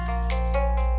kesarangan khusus apa